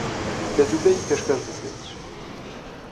لە دوبەی پێشکەشدەکرێت